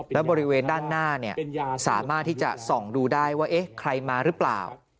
แล้วบริเวณด้านหน้าสามารถที่จะส่องดูได้ว่าเอ๊ะใครมาหรือเปล่า